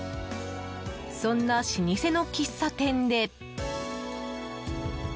そんな老舗の喫茶店で。